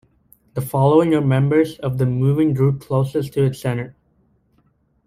The following are members of the moving group closest to its center.